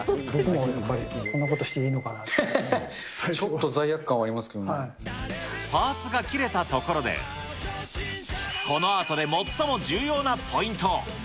こんなことしていいのかなっちょっと罪悪感はありますけパーツが切れたところで、このアートで最も重要なポイント。